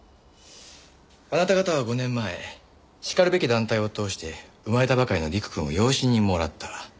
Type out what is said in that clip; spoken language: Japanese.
あなた方は５年前しかるべき団体を通して生まれたばかりの陸くんを養子にもらった。